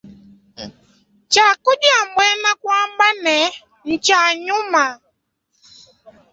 Tshiakudia buena kuamba ne tshia nyuma.